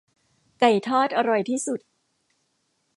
ไก่ทอดอร่อยที่สุด